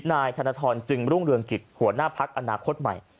นายธนทรจึงรุ่งเรืองกิจหัวหน้าพักอนาคตใหม่